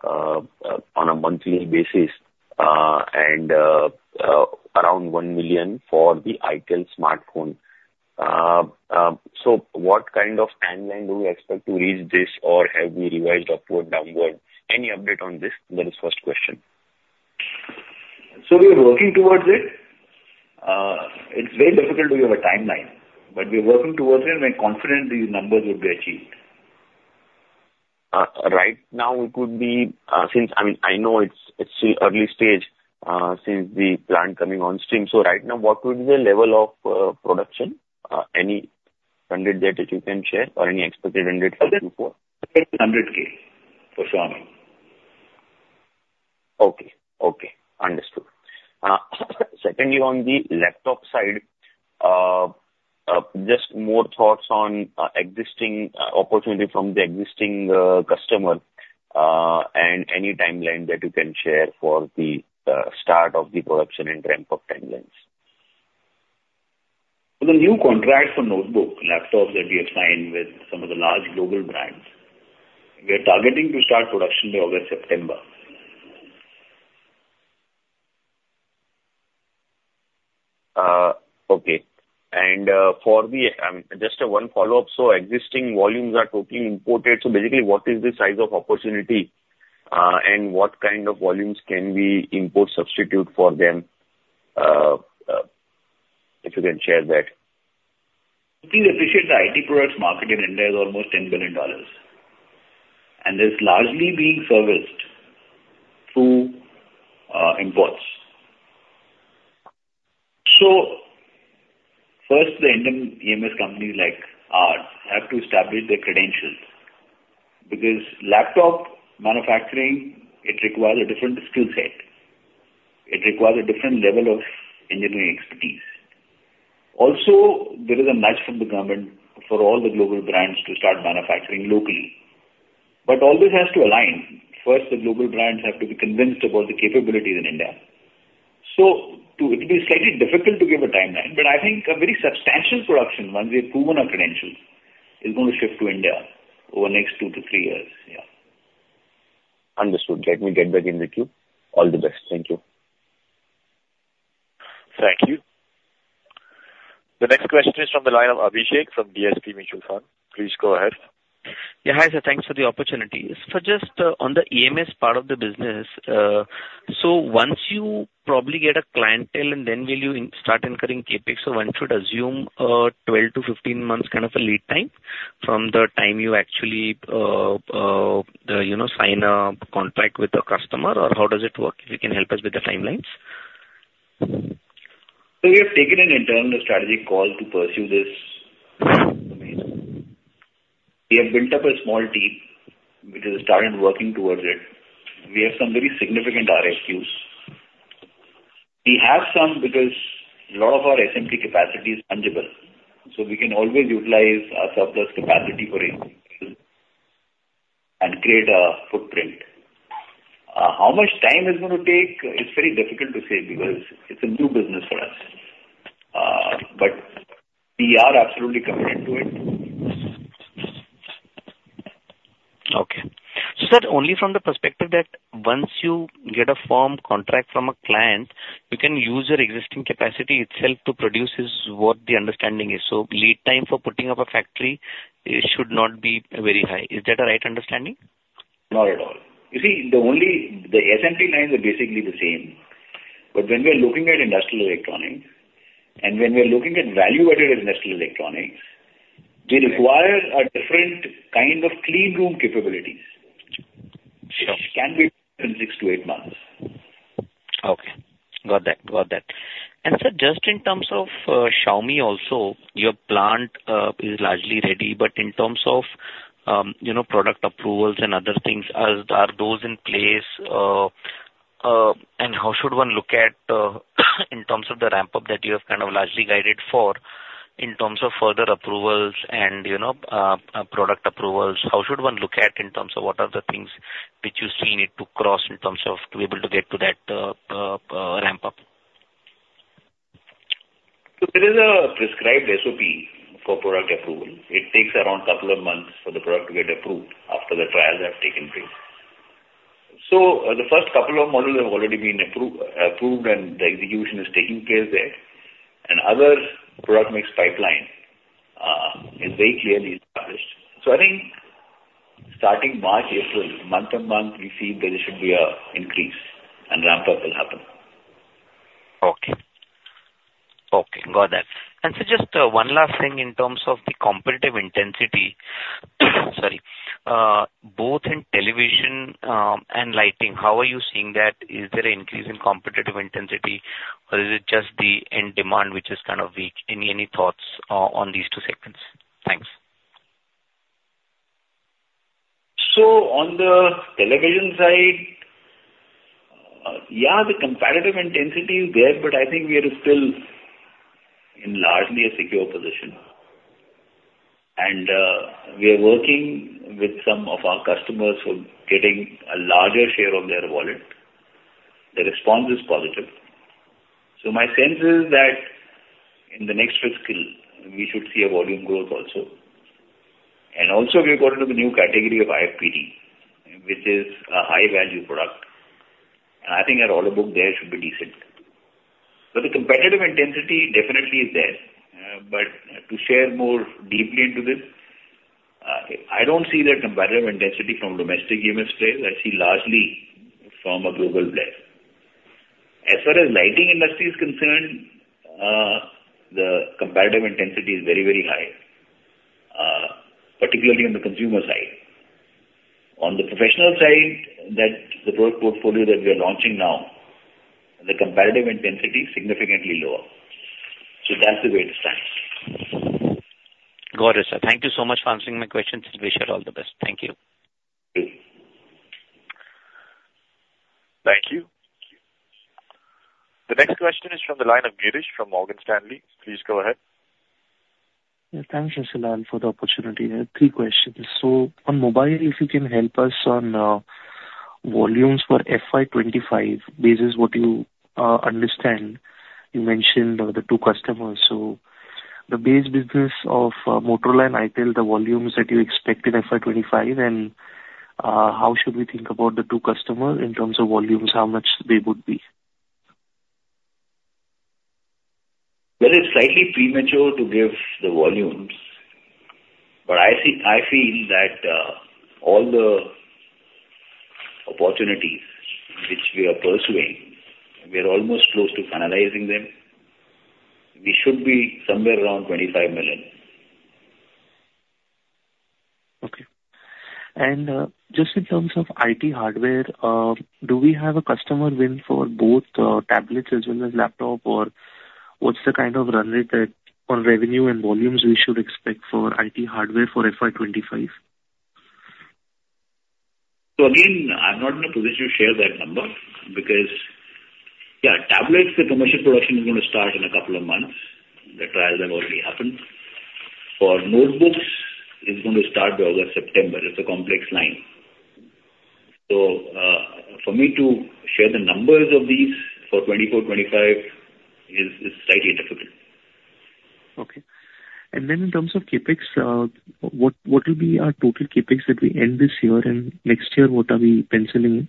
on a monthly basis, and around 1 million for the Itel smartphone. So what kind of timeline do we expect to reach this, or have we revised upward, downward? Any update on this? That is first question. So we are working towards it. It's very difficult to give a timeline, but we are working towards it, and we're confident these numbers would be achieved. Right now, it could be, since... I mean, I know it's still early stage, since the plant coming on stream. So right now, what would be the level of production, any run rate that you can share or any expected run rate going forward? INR 100,000 for Xiaomi. Okay. Okay, understood. Secondly, on the laptop side, just more thoughts on existing opportunity from the existing customer, and any timeline that you can share for the start of the production and ramp-up timelines? For the new contract for notebook, laptops that we have signed with some of the large global brands, we are targeting to start production in August, September. Okay. And, for the, just one follow-up: So existing volumes are totally imported, so basically, what is the size of opportunity, and what kind of volumes can we import substitute for them? If you can share that. We appreciate the IT products market in India is almost $10 billion, and it's largely being serviced through imports. So first, the Indian EMS companies like us have to establish their credentials, because laptop manufacturing it requires a different skill set. It requires a different level of engineering expertise. Also, there is a nudge from the government for all the global brands to start manufacturing locally. But all this has to align. First, the global brands have to be convinced about the capabilities in India. So to, it'll be slightly difficult to give a timeline, but I think a very substantial production, once we've proven our credentials, is going to shift to India over the next two to three years. Yeah. Understood. Let me get back in with you. All the best. Thank you. Thank you. The next question is from the line of Abhishek from DSP Mutual Fund. Please go ahead. Yeah, hi, sir. Thanks for the opportunity. So just on the EMS part of the business, so once you probably get a clientele and then will you start incurring CapEx? So one should assume a 12-15 months kind of a lead time from the time you actually, you know, sign a contract with the customer, or how does it work? If you can help us with the timelines. So we have taken an internal strategic call to pursue this. We have built up a small team, which has started working towards it. We have some very significant RFQs. We have some because a lot of our SMT capacity is tangible, so we can always utilize our surplus capacity for and create a footprint. How much time it's going to take? It's very difficult to say because it's a new business for us. But we are absolutely committed to it. Okay. So, sir, only from the perspective that once you get a firm contract from a client, you can use your existing capacity itself to produce is what the understanding is. So lead time for putting up a factory, it should not be very high. Is that a right understanding? Not at all. You see, the only SMT lines are basically the same, but when we are looking at industrial electronics, and when we are looking at value-added industrial electronics, they require a different kind of clean room capabilities. Sure. Which can be in six to eight months. Okay. Got that. Got that. And, sir, just in terms of Xiaomi also, your plant is largely ready, but in terms of you know, product approvals and other things, are those in place? And how should one look at in terms of the ramp-up that you have kind of largely guided for, in terms of further approvals and, you know, product approvals? How should one look at in terms of what are the things which you see need to cross in terms of to be able to get to that ramp-up? So there is a prescribed SOP for product approval. It takes around a couple of months for the product to get approved after the trials have taken place. So the first couple of models have already been approved, and the execution is taking place there, and other product mix pipeline is very clearly established. So I think starting March, April, month-on-month, we see there should be an increase and ramp-up will happen. Okay. Okay, got that. And so just one last thing in terms of the competitive intensity, sorry, both in television and lighting, how are you seeing that? Is there an increase in competitive intensity, or is it just the end demand, which is kind of weak? Any thoughts on these two segments? Thanks. So on the television side, yeah, the competitive intensity is there, but I think we are still in largely a secure position. And, we are working with some of our customers for getting a larger share of their wallet. The response is positive. So my sense is that in the next fiscal, we should see a volume growth also. And also, we have got into the new category of IFPD, which is a high-value product, and I think our order book there should be decent. But the competitive intensity definitely is there, but to share more deeply into this, I don't see that competitive intensity from domestic industry. I see largely from a global player. As far as lighting industry is concerned, the competitive intensity is very, very high, particularly on the consumer side. On the professional side, that the product portfolio that we are launching now, the competitive intensity is significantly lower. So that's the way it stands. Got it, sir. Thank you so much for answering my questions. Wish you all the best. Thank you. Thank you. Thank you. The next question is from the line of Girish from Morgan Stanley. Please go ahead. Yeah, thank you, Sir, for the opportunity. I have three questions. So on mobile, if you can help us on volumes for FY 2025, this is what you understand. You mentioned the two customers, so the base business of Motorola and Itel, the volumes that you expect in FY 2025, and how should we think about the two customers in terms of volumes, how much they would be? Well, it's slightly premature to give the volumes, but I think, I feel that, all the opportunities which we are pursuing, we are almost close to finalizing them. We should be somewhere around 25 million. Okay. And, just in terms of IT hardware, do we have a customer win for both, tablets as well as laptop, or what's the kind of run rate that, on revenue and volumes we should expect for IT hardware for FY 2025? Again, I'm not in a position to share that number because, yeah, tablets, the commercial production is going to start in a couple of months. The trials have already happened. For notebooks, it's going to start by August, September. It's a complex line. So, for me to share the numbers of these for 2024, 2025 is, is slightly difficult. Okay. And then in terms of CapEx, what will be our total CapEx that we end this year, and next year, what are we penciling in?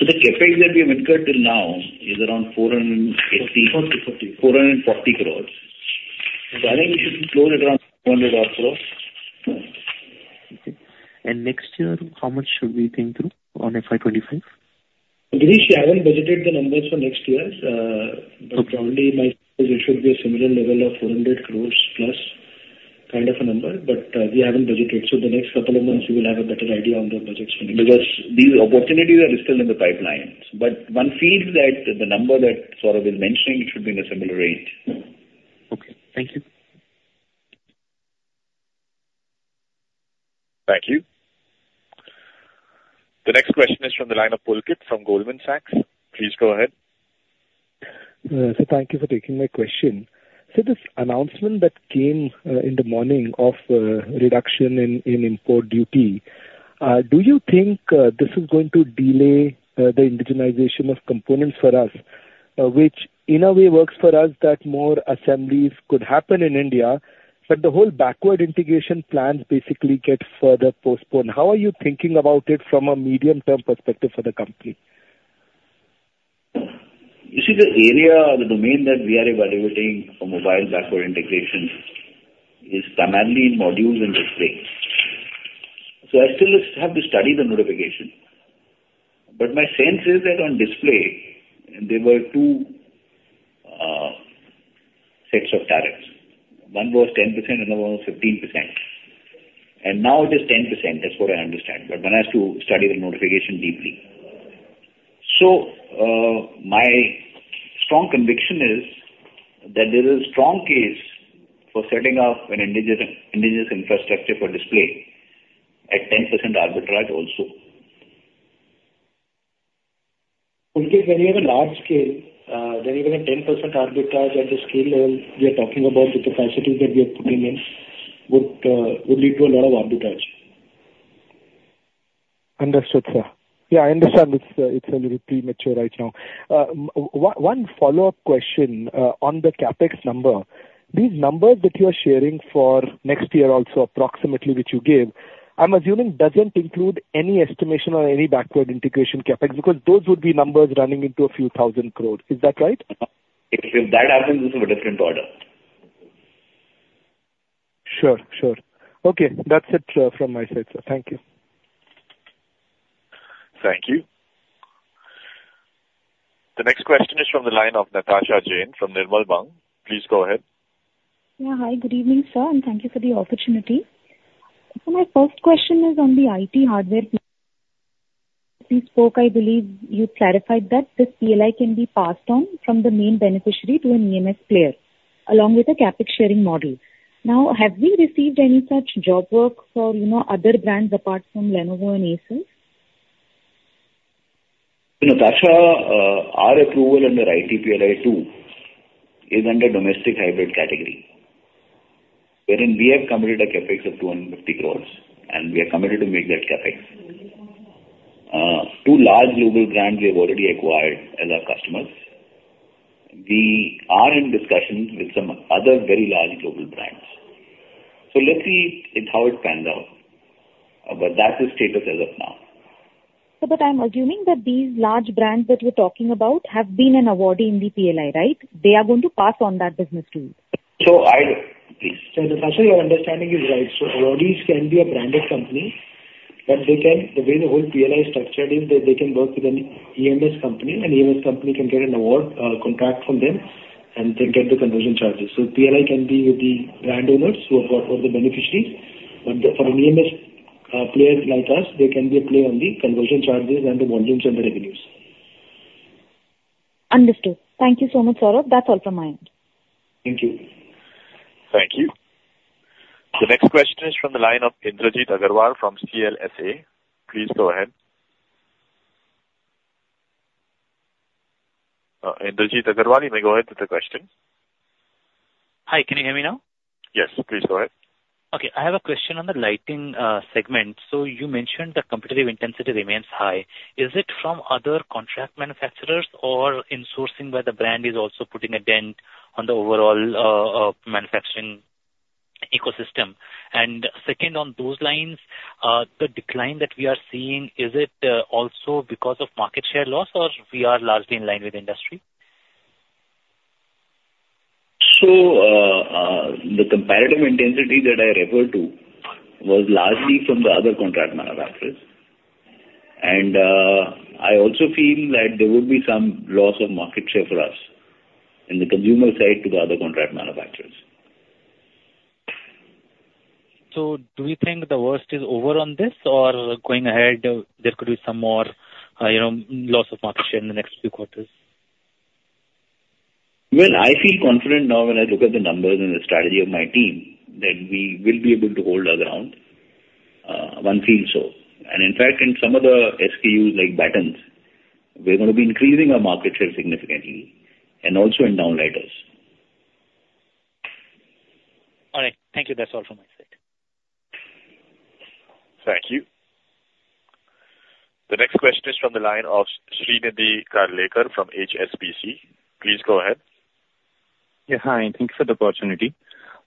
The CapEx that we have incurred till now is around 450- 40 440 crores. So I think we should close it around 400 odd crores. Okay. Next year, how much should we think through on FY 2025? Girish, we haven't budgeted the numbers for next year. Okay. But broadly, it should be a similar level of 400 crore plus kind of a number, but, we haven't budgeted, so the next couple of months, you will have a better idea on the budgets for next year. Because these opportunities are still in the pipeline, but one feels that the number that Saurabh is mentioning, it should be in a similar range. Okay. Thank you. Thank you. The next question is from the line of Pulkit from Goldman Sachs. Please go ahead. Sir, thank you for taking my question. So this announcement that came in the morning of reduction in import duty, do you think this is going to delay the indigenization of components for us, which in a way works for us that more assemblies could happen in India, but the whole backward integration plans basically get further postponed. How are you thinking about it from a medium-term perspective for the company? You see, the area or the domain that we are evaluating for mobile backward integration is primarily in modules and displays. So I still have to study the notification, but my sense is that on display, there were two sets of tariffs. One was 10%, another one was 15%, and now it is 10%. That's what I understand, but one has to study the notification deeply. So, my strong conviction is that there is a strong case for setting up an indigenous, indigenous infrastructure for display at 10% arbitrage also. Okay, when you have a large scale, when you have a 10% arbitrage at the scale level we are talking about, the capacity that we are putting in would, would lead to a lot of arbitrage. Understood, sir. Yeah, I understand it's a little premature right now. One follow-up question on the CapEx number. These numbers that you are sharing for next year also, approximately, which you gave, I'm assuming doesn't include any estimation or any backward integration CapEx, because those would be numbers running into INR a few thousand crores. Is that right? If that happens, it's of a different order. Sure. Sure. Okay, that's it, from my side, sir. Thank you. Thank you. The next question is from the line of Natasha Jain from Nirmal Bang. Please go ahead. Yeah. Hi, good evening, sir, and thank you for the opportunity. My first question is on the IT hardware spoke. I believe you clarified that this PLI can be passed on from the main beneficiary to an EMS player, along with a CapEx sharing model. Now, have we received any such job work for, you know, other brands apart from Lenovo and Asus? So, Natasha, our approval under IT Hardware PLI 2.0 is under domestic hybrid category, wherein we have committed a CapEx of 250 crore, and we are committed to make that CapEx. Two large global brands we have already acquired as our customers. We are in discussions with some other very large global brands. So let's see it, how it pans out, but that's the status as of now. I'm assuming that these large brands that you're talking about have been an awardee in the PLI, right? They are going to pass on that business to you. Please. Sir, Natasha, your understanding is right. So awardees can be a branded company, but they can, the way the whole PLI is structured is that they can work with any EMS company, and EMS company can get an award, contract from them, and they get the conversion charges. So PLI can be with the brand owners who are more the beneficiaries, but for an EMS, player like us, they can be a play on the conversion charges and the volumes and the revenues. Understood. Thank you so much, Saurabh. That's all from my end. Thank you. Thank you. The next question is from the line of Indrajit Agarwal from CLSA. Please go ahead. Indrajit Agarwal, you may go ahead with the question. Hi, can you hear me now? Yes, please go ahead. Okay, I have a question on the Lighting segment. So you mentioned the competitive intensity remains high. Is it from other contract manufacturers or insourcing, where the brand is also putting a dent on the overall manufacturing ecosystem? And second, on those lines, the decline that we are seeing, is it also because of market share loss or we are largely in line with industry? So, the competitive intensity that I referred to was largely from the other contract manufacturers. And, I also feel that there would be some loss of market share for us in the consumer side to the other contract manufacturers. So do you think the worst is over on this? Or going ahead, there could be some more, you know, loss of market share in the next few quarters? Well, I feel confident now when I look at the numbers and the strategy of my team, that we will be able to hold our ground, I feel so. And in fact, in some of the SKUs, like battens, we're going to be increasing our market share significantly and also in downlighters. All right, thank you. That's all from my side. Thank you. The next question is from the line of Shrinidhi Karlekar from HSBC. Please go ahead. Yeah, hi, and thanks for the opportunity.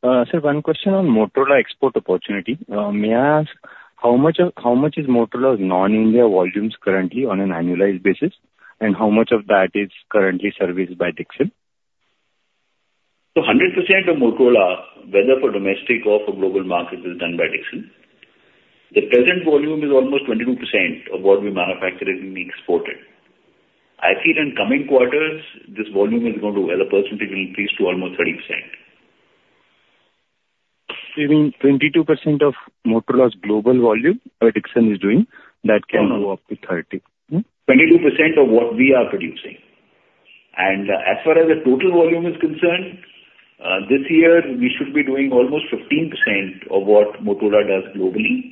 Sir, one question on Motorola export opportunity. May I ask how much is Motorola's non-India volumes currently on an annualized basis, and how much of that is currently serviced by Dixon? 100% of Motorola, whether for domestic or for global markets, is done by Dixon. The present volume is almost 22% of what we manufacture, it being exported. I feel in coming quarters, this volume is going to, well, the percentage will increase to almost 30%. You mean 22% of Motorola's global volume that Dixon is doing, that can go up to 30? 22% of what we are producing. And as far as the total volume is concerned, this year, we should be doing almost 15% of what Motorola does globally,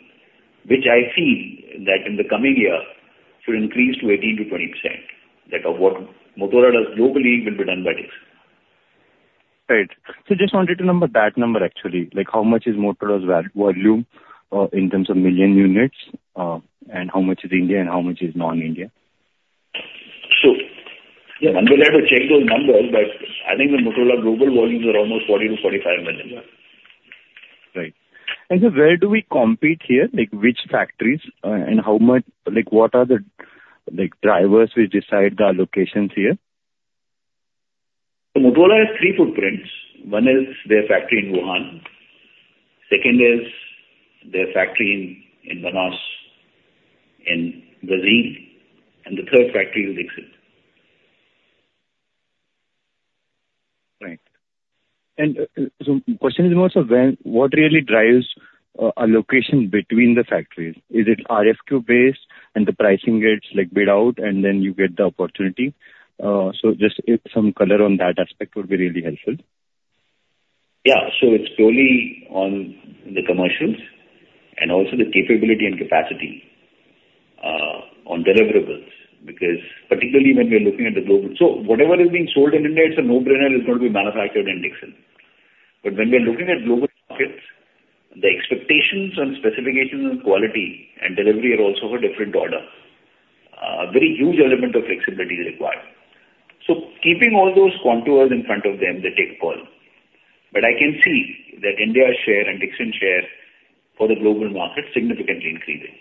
which I feel that in the coming year should increase to 18%-20%. That of what Motorola does globally will be done by Dixon. Right. So just wanted to name that number actually, like how much is Motorola's volume, in terms of million units, and how much is India and how much is non-India? So, yeah, I'm gonna have to check those numbers, but I think the Motorola global volumes are almost 40 million-45 million. Right. And so where do we compete here? Like, which factories, and how much... Like, what are the, like, drivers which decide the allocations here? Motorola has three footprints. One is their factory in Wuhan. Second is their factory in Manaus in Brazil, and the third factory is Dixon. Right. So the question is more so when, what really drives a location between the factories? Is it RFQ-based and the pricing gets, like, bid out, and then you get the opportunity? So just if some color on that aspect would be really helpful. Yeah. So it's purely on the commercials and also the capacity on deliverables, because particularly when we are looking at the global. So whatever is being sold in India, it's a no-brainer, it's going to be manufactured in Dixon. But when we are looking at global markets, the expectations on specifications on quality and delivery are also of a different order. Very huge element of flexibility is required. So keeping all those contours in front of them, they take a call. But I can see that India's share and Dixon share for the global market significantly increasing.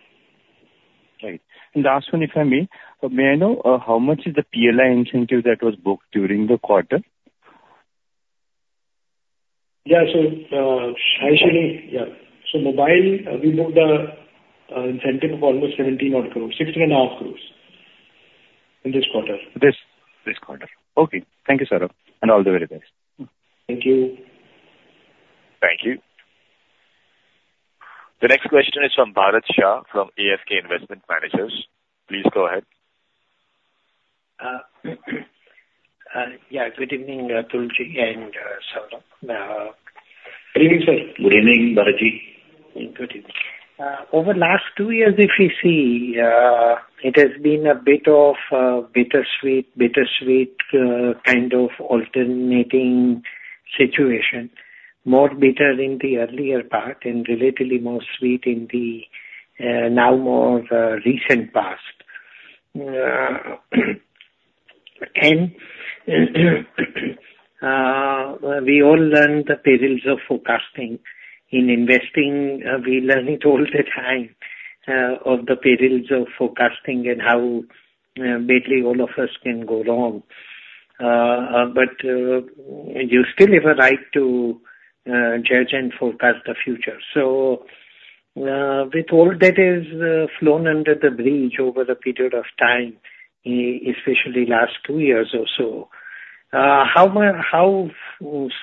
Right. And the last one, if I may. May I know how much is the PLI incentive that was booked during the quarter? Yeah. So, I should, yeah. So mobile, we booked an incentive of almost 17 odd crores, 16.5 crores in this quarter. This quarter. Okay. Thank you, Saurabh, and all the very best. Thank you. Thank you. The next question is from Bharat Shah, from ASK Investment Managers. Please go ahead. Yeah, good evening, Atul and Saurabh. Good evening, sir. Good evening, Bharat. Good evening. Over the last two years, if you see, it has been a bit of a bittersweet, bittersweet, kind of alternating situation. More bitter in the earlier part and relatively more sweet in the now more recent past. And we all learned the perils of forecasting. In investing, we learn it all the time of the perils of forecasting and how badly all of us can go wrong. But you still have a right to judge and forecast the future. So, with all that is flown under the bridge over the period of time, especially last two years or so, how am I, how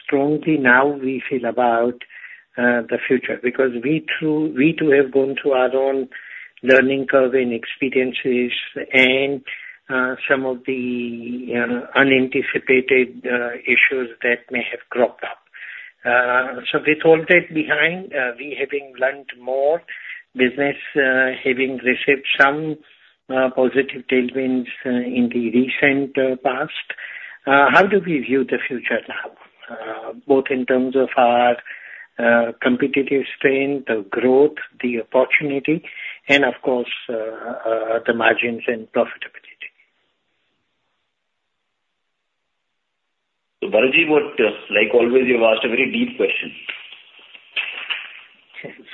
strongly now we feel about the future? Because we through, we too have gone through our own learning curve and experiences and, some of the, unanticipated, issues that may have cropped up. So with all that behind, we having learned more business, having received some, positive tailwinds, in the recent, past, how do we view the future now, both in terms of our, competitive strength, the growth, the opportunity, and of course, the margins and profitability? So Bharat, what, like always, you've asked a very deep question.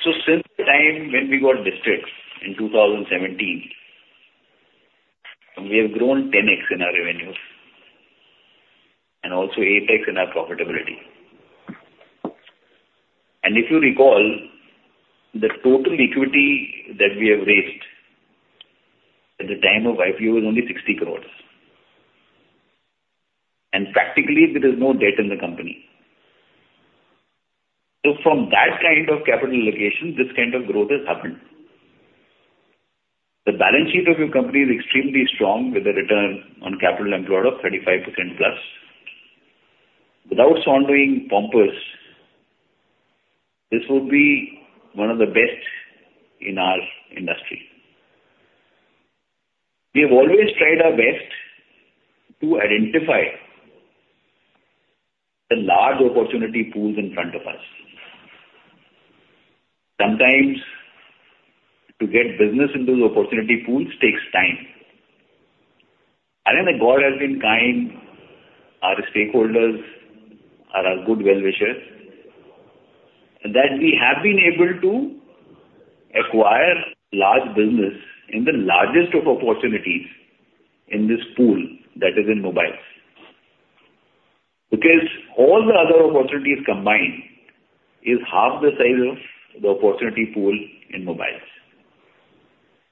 So since the time when we got listed in 2017, we have grown 10x in our revenues and also 8x in our profitability. And if you recall, the total equity that we have raised at the time of IPO was only 60 crore. And practically, there is no debt in the company. So from that kind of capital allocation, this kind of growth has happened. The balance sheet of your company is extremely strong, with a return on capital employed of 35%+. Without sounding pompous, this would be one of the best in our industry. We have always tried our best to identify the large opportunity pools in front of us. Sometimes to get business into the opportunity pools takes time. I think that God has been kind, our stakeholders are our good well-wishers, that we have been able to acquire large business in the largest of opportunities in this pool that is in mobiles. Because all the other opportunities combined is half the size of the opportunity pool in mobiles.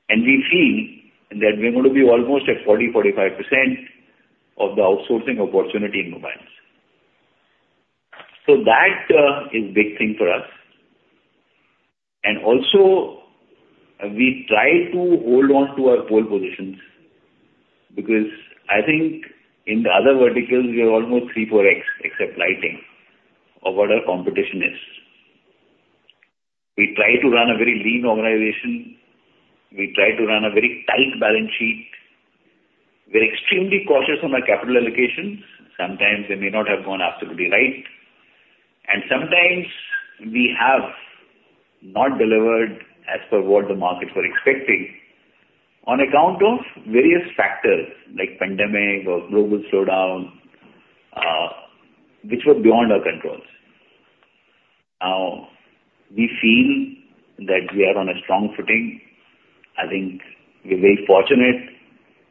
And we feel that we're going to be almost at 40%-45% of the outsourcing opportunity in mobiles. So that is big thing for us. And also, we try to hold on to our pole positions, because I think in the other verticals, we are almost 3x-4x, except lighting, of what our competition is. We try to run a very lean organization. We try to run a very tight balance sheet. We're extremely cautious on our capital allocation. Sometimes we may not have gone absolutely right, and sometimes we have not delivered as per what the markets were expecting on account of various factors like pandemic or global slowdown, which were beyond our controls. Now, we feel that we are on a strong footing. I think we're very fortunate,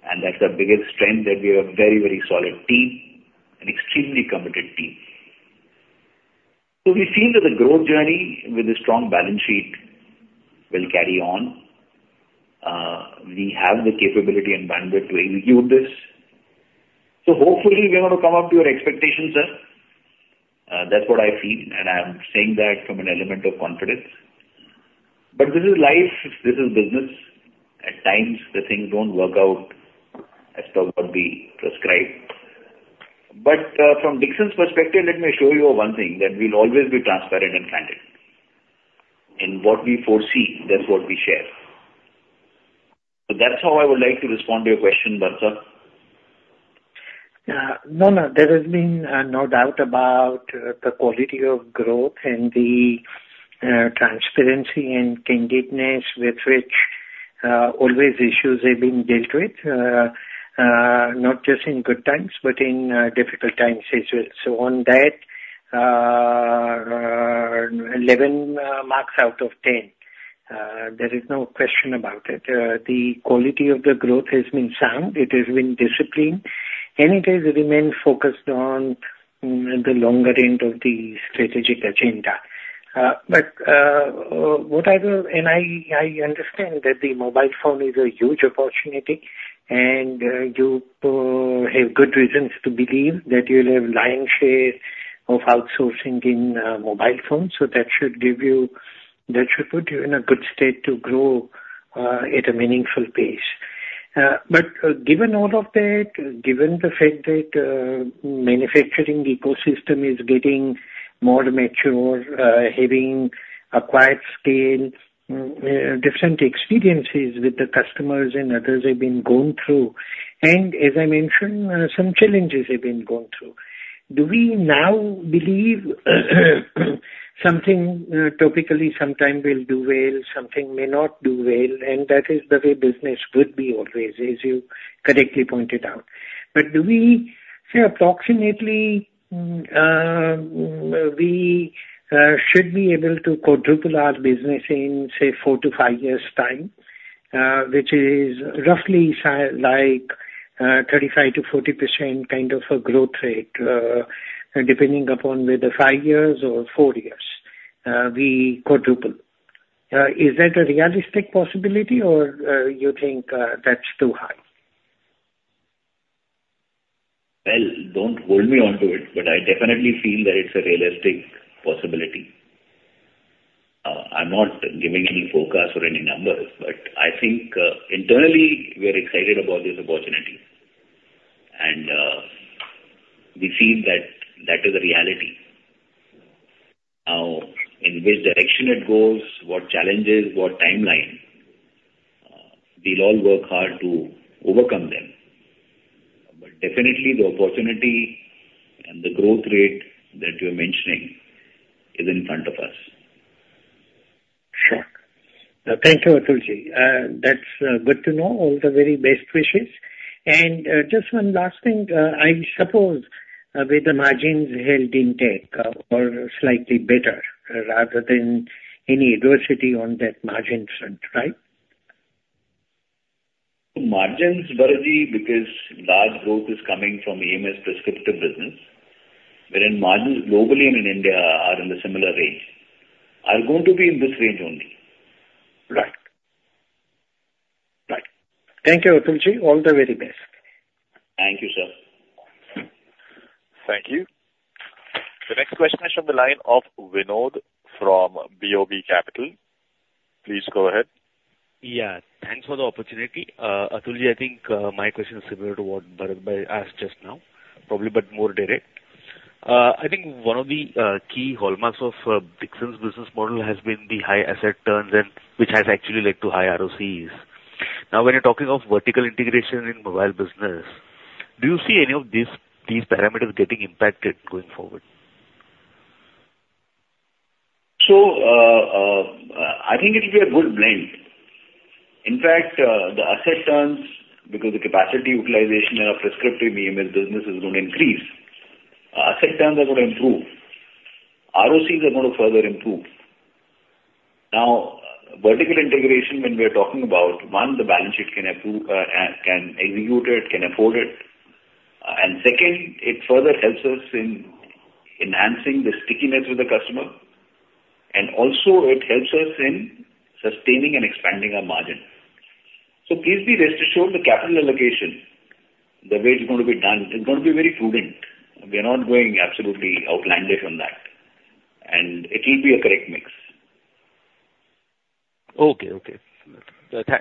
and that's our biggest strength, that we have a very, very solid team, an extremely committed team. So we feel that the growth journey with a strong balance sheet will carry on. We have the capability and bandwidth to execute this. So hopefully, we are going to come up to your expectations, sir. That's what I feel, and I'm saying that from an element of confidence. But this is life, this is business. At times, the things don't work out as per what we prescribe. But, from Dixon's perspective, let me show you one thing, that we'll always be transparent and candid. In what we foresee, that's what we share. So that's how I would like to respond to your question, Bharat sir. No, no, there has been no doubt about the quality of growth and the transparency and candidness with which always issues have been dealt with, not just in good times, but in difficult times as well. So on that, 11 marks out of 10. There is no question about it. The quality of the growth has been sound, it has been disciplined, and it has remained focused on the longer end of the strategic agenda. But what I will... And I understand that the mobile phone is a huge opportunity, and you have good reasons to believe that you'll have lion's share of outsourcing in mobile phones, so that should give you- that should put you in a good state to grow at a meaningful pace. But given all of that, given the fact that manufacturing ecosystem is getting more mature, having acquired scale, different experiences with the customers and others have been going through, and as I mentioned, some challenges have been going through. Do we now believe something topically, sometime will do well, something may not do well, and that is the way business could be always, as you correctly pointed out. But do we say approximately, we should be able to quadruple our business in, say, four to five years' time, which is roughly like 35%-40% kind of a growth rate, depending upon whether five years or four years, we quadruple. Is that a realistic possibility or you think that's too high? Well, don't hold me onto it, but I definitely feel that it's a realistic possibility. I'm not giving any forecast or any numbers, but I think, internally, we're excited about this opportunity. And, we feel that that is a reality. Now, in which direction it goes, what challenges, what timeline, we'll all work hard to overcome them. But definitely, the opportunity and the growth rate that you're mentioning is in front of us. Sure. Thank you, Atul. That's good to know. All the very best wishes. And just one last thing. I suppose with the margins held in check or slightly better, rather than any adversity on that margin front, right? Margins, Bharat, because large growth is coming from EMS prescriptive business, wherein margins globally and in India are in the similar range, are going to be in this range only. Right. Right. Thank you, Atul. All the very best. Thank you, sir. Thank you. The next question is from the line of Vinod from BOB Capital. Please go ahead. Yeah, thanks for the opportunity. Atul, I think my question is similar to what Bharat asked just now, probably, but more direct. I think one of the key hallmarks of Dixon's business model has been the high asset turns and which has actually led to high ROCs. Now, when you're talking of vertical integration in mobile business, do you see any of these, these parameters getting impacted going forward? So, I think it'll be a good blend. In fact, the asset turns, because the capacity utilization of prescriptive AMS business is going to increase, asset turns are going to improve. ROCEs are going to further improve. Now, vertical integration, when we are talking about, one, the balance sheet can approve, can execute it, can afford it. And second, it further helps us in enhancing the stickiness with the customer, and also it helps us in sustaining and expanding our margin. So please be rest assured, the capital allocation, the way it's going to be done, is going to be very prudent. We are not going absolutely outlandish on that, and it will be a correct mix. Okay, okay.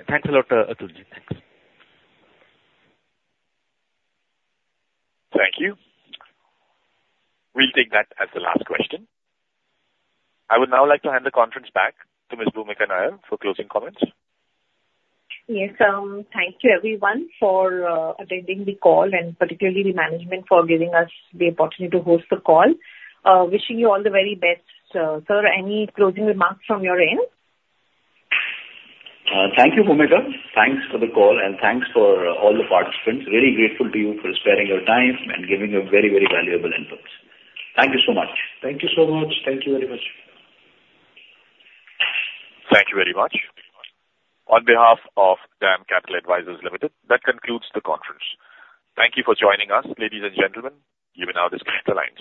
Thanks a lot, Atul. Thanks. Thank you. We'll take that as the last question. I would now like to hand the conference back to Ms. Bhoomika Nair for closing comments. Yes, thank you everyone for attending the call and particularly the management for giving us the opportunity to host the call. Wishing you all the very best. Sir, any closing remarks from your end? Thank you, Bhoomika. Thanks for the call, and thanks for all the participants. Really grateful to you for sparing your time and giving your very, very valuable inputs. Thank you so much. Thank you so much. Thank you very much. Thank you very much. On behalf of DAM Capital Advisors Limited, that concludes the conference. Thank you for joining us, ladies and gentlemen. You may now disconnect the lines.